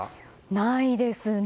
ないですね。